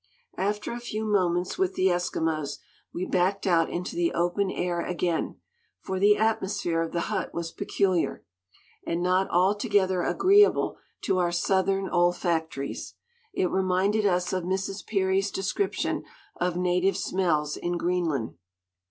After a few moments with the Eskimos, we backed out into the open air again, for the atmosphere of the hut was peculiar, and not altogether agreeable to our southern olfactories. It reminded us of Mrs. Peary's description of native smells in Greenland.